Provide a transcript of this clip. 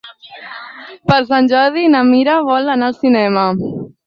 Per Sant Jordi na Mira vol anar al cinema.